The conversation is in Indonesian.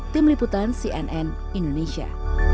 tim liputan cnn indonesia